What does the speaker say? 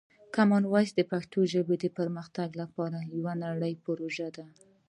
کامن وایس د پښتو ژبې د پرمختګ لپاره یوه نړیواله پروژه ده.